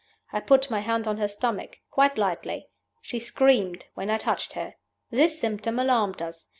I put my hand on her stomach quite lightly. She screamed when I touched her. "This symptom alarmed us.